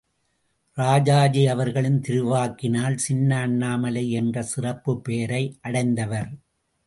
ராஜாஜி அவர்களின் திருவாக்கினால் சின்ன அண்ணாமலை என்ற சிறப்புப் பெயரை அடைந்தவர்.